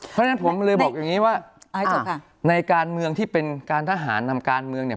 เพราะฉะนั้นผมเลยบอกอย่างนี้ว่าในการเมืองที่เป็นการทหารนำการเมืองเนี่ย